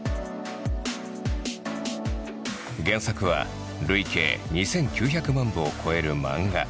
原作は累計２，９００万部を超える漫画。